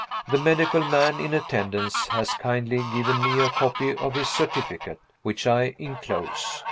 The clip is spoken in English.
The medical man in attendance has kindly given me a copy of his certificate, which I inclose.